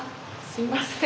すいません。